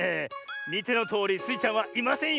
みてのとおりスイちゃんはいませんよ。